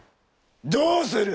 どうする？